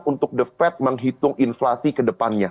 untuk the fed menghitung inflasi kedepannya